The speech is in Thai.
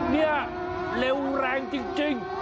เนี่ยเร็วแรงจริง